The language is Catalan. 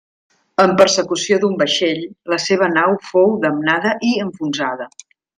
En persecució d'un vaixell la seva nau fou damnada i enfonsada.